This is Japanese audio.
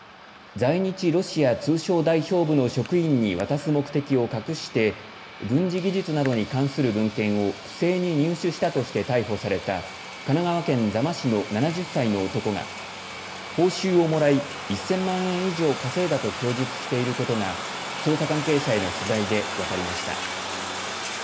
在日ロシア通商代表部の職員に渡す目的を隠して軍事技術などに関する文献を不正に入手したとして逮捕された神奈川県座間市の７０歳の男が報酬をもらい１０００万円以上稼いだと供述していることが捜査関係者への取材で分かりました。